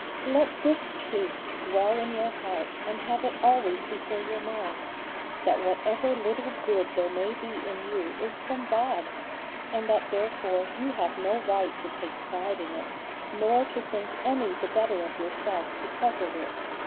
Let this truth dwell in your heart and have it always before your mind that whatever little good there may be in you is from God, and that therefore you have no right to take pride in it, nor to think any the better of yourself because of it.